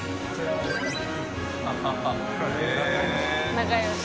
仲良し。